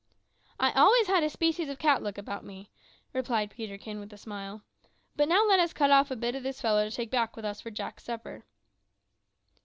"I always had a species of cat luck about me," replied Peterkin, with a smile. "But now let us cut off a bit o' this fellow to take back with us for Jack's supper."